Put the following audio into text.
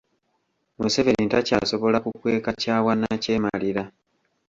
Museveni takyasobola kukweka kya bwannakyemalira.